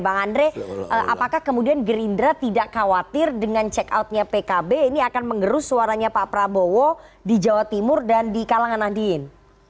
bang andre apakah kemudian gerindra tidak khawatir dengan check out nya pkb ini akan mengerus suaranya pak prabowo di jawa timur dan di kalangan nahdien